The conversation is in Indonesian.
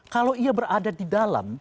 kalau ia berada di dalam